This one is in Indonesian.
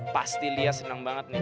pasti lia senang banget nih